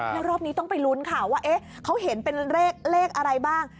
แล้วรอบนี้ต้องไปลุ้นค่ะว่าเขาเห็นเป็นเลขอะไรบ้าง